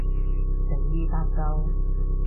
誠意搭救